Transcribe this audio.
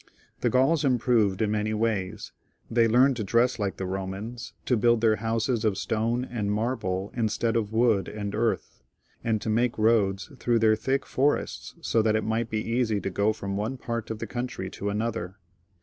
The Gauls improved in many ways; they learned to dress like the Bomans, to build their houses of stone and marble instead of wood and earth, a^d to make roads through their thick forests, so that it might be easy to go from one part of the country to another.